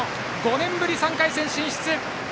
５年ぶりの３回戦進出！